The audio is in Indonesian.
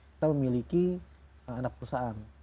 kita memiliki anak perusahaan